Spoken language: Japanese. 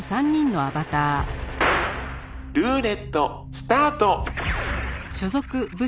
「ルーレットスタート！」